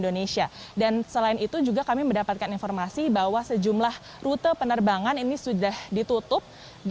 dan selain itu juga kami mendapatkan informasi bahwa sejumlah rute penerbangan ini sudah ditutup